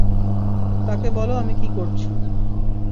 তাকে বলো আমি কি করছি।